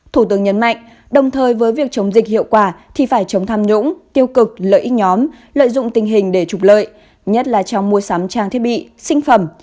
thủ tướng nhấn mạnh đồng thời với việc chống dịch hiệu quả thì phải chống tham nhũng tiêu cực lợi ích nhóm lợi dụng tình hình để trục lợi nhất là trong mua sắm trang thiết bị sinh phẩm